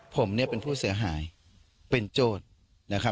ผมเป็นผู้เสียหายเป็นโจทย์